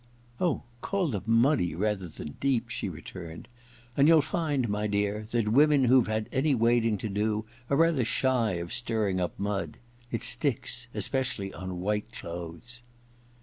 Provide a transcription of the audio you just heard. *Oh, call them muddy rather than deep,' she returned ;* and you'll find, my dear, that women who've had any wading to do are rather shy of stirring up mud. It sticks — especially on white clothes.'